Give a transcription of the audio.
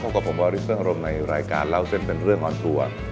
พบกับผมบอริสเตอร์หรมในรายการเล่าเส้นเป็นเรื่องฮอล์ทัวร์